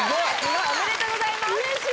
おめでとうございます！